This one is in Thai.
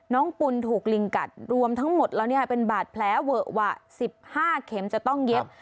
ปุ่นถูกลิงกัดรวมทั้งหมดแล้วเนี่ยเป็นบาดแผลเวอะวะ๑๕เข็มจะต้องเย็บ